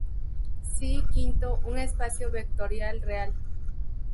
Sea V un espacio vectorial real.